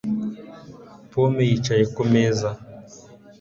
Pome yicaye kumeza